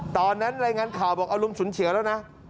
รายงานข่าวบอกอารมณ์ฉุนเฉียวแล้วนะ